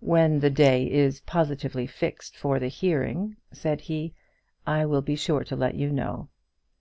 "When the day is positively fixed for the hearing," said he, "I will be sure to let you know."